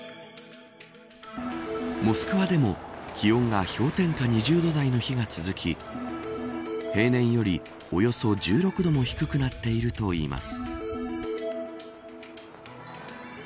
モスクワでも、気温が氷点下２０度台の日が続き平年よりおよそ１６度も低くなっているといいます。